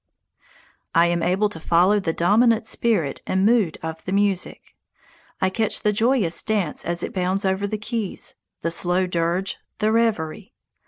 I am able to follow the dominant spirit and mood of the music. I catch the joyous dance as it bounds over the keys, the slow dirge, the reverie.